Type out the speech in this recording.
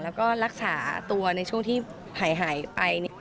แล้วก็รักษาตัวในช่วงที่หายไป